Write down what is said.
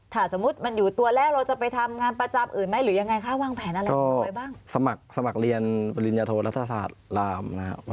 ถ้าสมมติมันอยู่ตัวแรกเราจะไปทำงานประจำอื่นไหม